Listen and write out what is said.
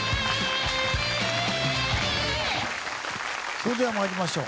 それでは参りましょう。